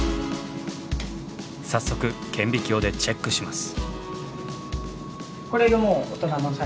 早速顕微鏡でチェックします。